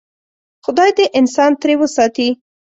خدای دې انسان ترې وساتي.